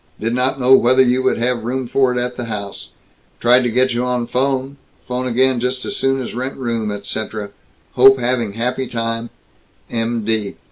Did not know whether you would have room for it at house. Tried to get you on phone, phone again just as soon as rent room etc. Hope having happy time, M.D."